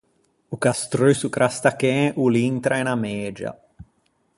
O Castrusso Crastachen o l'intra in Amegia.